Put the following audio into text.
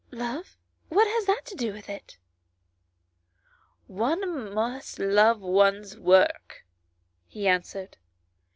"Love what has that to do with it?" " One must love one's work," he answered.